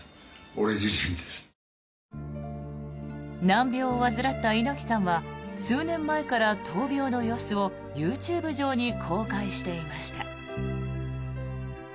難病を患った猪木さんは数年前から闘病の様子をＹｏｕＴｕｂｅ上に公開していました。